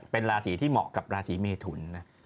เป็นราศีที่เหมาะกับราศีเมทุนนะ